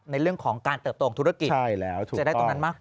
ในเรื่องของการเติบโตของธุรกิจจะได้ตรงนั้นมากกว่าใช่แล้วถูกต้อง